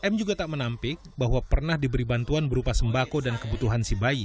m juga tak menampik bahwa pernah diberi bantuan berupa sembako dan kebutuhan si bayi